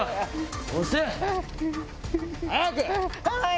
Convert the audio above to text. はい！